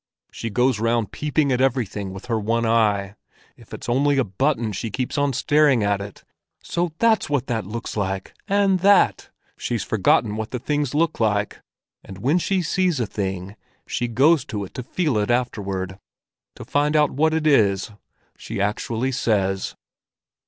She goes round peeping at everything with her one eye; if it's only a button, she keeps on staring at it. So that's what that looks like, and that! She's forgotten what the things look like, and when she sees a thing, she goes to it to feel it afterward —to find out what it is, she actually says.